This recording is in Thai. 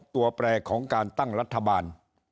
ตัวแปรของการตั้งรัฐบาล